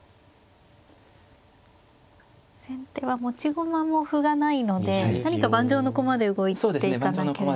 先手は持ち駒も歩がないので何か盤上の駒で動いていかなければ。